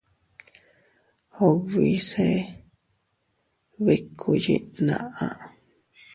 Ubi se bikkúu yiʼin tnaʼa.